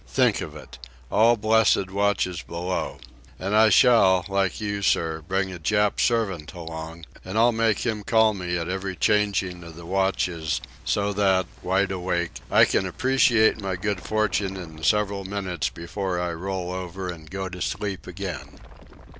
Think of it! All blessed watches below! And I shall, like you, sir, bring a Jap servant along, and I'll make him call me at every changing of the watches, so that, wide awake, I can appreciate my good fortune in the several minutes before I roll over and go to sleep again."